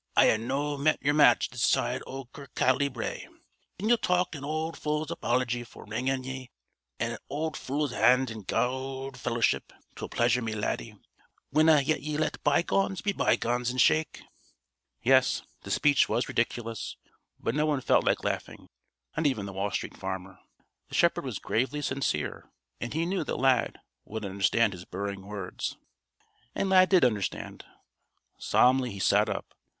I hae na met yer match this side o' Kirkcaldy Brae. Gin ye'll tak' an auld fule's apology for wrangin' ye, an' an auld fule's hand in gude fellowship, 'twill pleasure me, Laddie. Winna ye let bygones be bygones, an' shake?" Yes, the speech was ridiculous, but no one felt like laughing, not even the Wall Street Farmer. The shepherd was gravely sincere and he knew that Lad would understand his burring words. And Lad did understand. Solemnly he sat up.